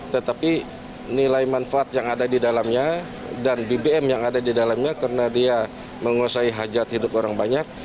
tetapi nilai manfaat yang ada di dalamnya dan bbm yang ada di dalamnya karena dia menguasai hajat hidup orang banyak